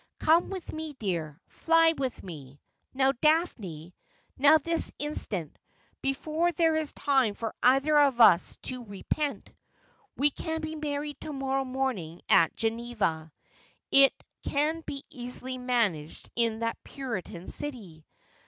Come with me, dear ; fly with me. Now, Daphne — now, this instant, before there is time for either of us to re pent. We can be married to morrow morning at Geneva — it can be easily managed in that Puritan city.